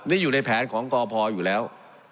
นี่อยู่ในแผนของกพอยู่แล้ว